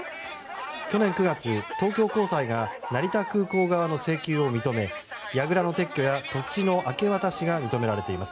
去年９月、東京高裁が成田空港側の請求を認めやぐらの撤去や土地の明け渡しが認められています。